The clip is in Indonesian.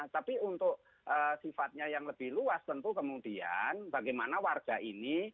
tapi untuk sifatnya yang lebih luas tentu kemudian bagaimana warga ini